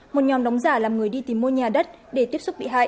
một nhóm đóng giả làm người đi tìm mua nhà đất để tiếp xúc bị hại